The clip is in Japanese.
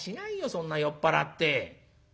そんな酔っ払って」。